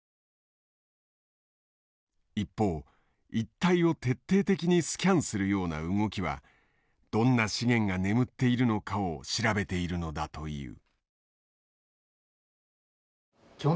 一方一帯を徹底的にスキャンするような動きはどんな資源が眠っているのかを調べているのだという。